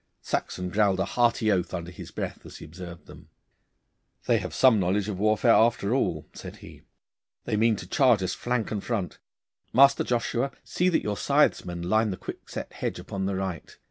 Saxon growled a hearty oath under his breath as he observed them. 'They have some knowledge of warfare after all,' said he. 'They mean to charge us flank and front. Master Joshua, see that your scythesmen line the quickset hedge upon the right.